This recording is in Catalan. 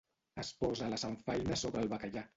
Es posa la samfaina sobre el bacallà